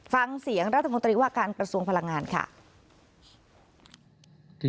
ฟังเสียงรัฐมนตรีว่าการกระทรวงพลังงานค่ะ